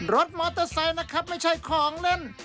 รถมอเตอร์ไซค์นะครับไม่ใช่ของเล่น